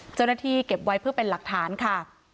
เจ้าหน้าที่เก็บไว้เพื่อเป็นหลักฐานค่ะ